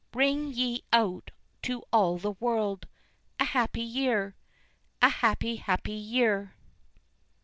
ring ye out to all the world, A Happy Year! A Happy, Happy Year!"